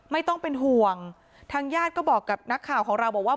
ไม่ต้องเป็นห่วงทางญาติก็บอกกับนักข่าวของเราบอกว่า